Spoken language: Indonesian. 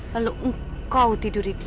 lalu kau tidur di dia